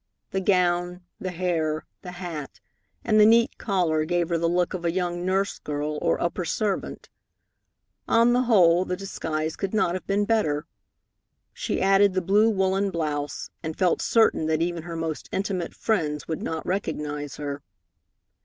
The gown, the hair, the hat, and the neat collar gave her the look of a young nurse girl or upper servant. On the whole, the disguise could not have been better. She added the blue woollen blouse, and felt certain that even her most intimate friends would not recognize her.